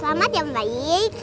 selamat ya om baik